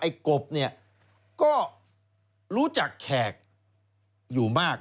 กบเนี่ยก็รู้จักแขกอยู่มาก